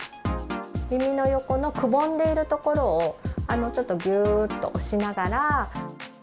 耳の横のくぼんでいる所を、ちょっとぎゅーっと押しながら。